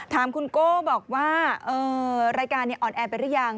ถามคุณโก้บอกว่ารายการอ่อนแอไปหรือยัง